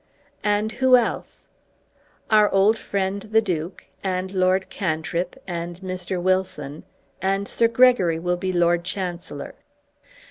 "And who else?" "Our old friend the Duke, and Lord Cantrip, and Mr. Wilson, and Sir Gregory will be Lord Chancellor."